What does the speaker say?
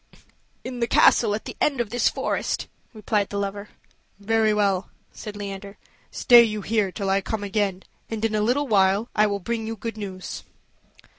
"In the castle at the end of this forest," replied the lover. "Very well," said Leander; "stay you here till I come again, and in a little while I will bring you good news."